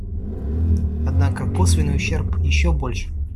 Однако косвенный ущерб еще больше.